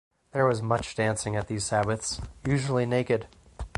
There was much dancing at these sabbaths, usually naked.